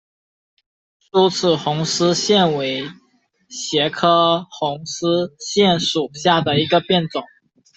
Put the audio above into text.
疏齿红丝线为茄科红丝线属下的一个变种。